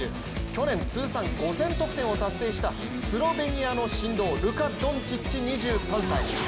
去年通算５０００得点を達成したスロベニアの神童ルカ・ドンチッチ２３歳。